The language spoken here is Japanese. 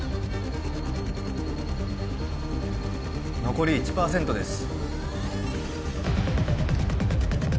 残り１％です。